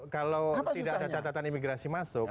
kalau tidak ada catatan imigrasi masuk